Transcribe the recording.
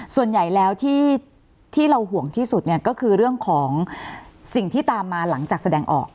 ส่วนใหญ่แล้วที่เราห่วงที่สุดเนี่ยก็คือเรื่องของสิ่งที่ตามมาหลังจากแสดงออก